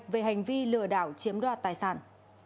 về hành vi lừa đảo chiếm đoạt tài sản